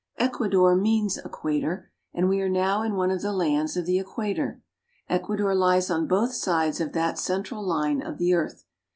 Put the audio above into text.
ECUADOR means equator, and we are now in one of the lands of the equator. Ecuador lies on both sides of that central line of the earth.